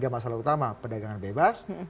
tiga masalah utama perdagangan bebas